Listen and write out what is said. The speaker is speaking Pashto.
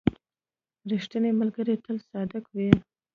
• ریښتینی ملګری تل صادق وي.